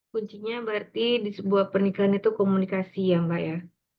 kuncinya berarti di sebuah pernikahan itu komunikasi ya mbak ya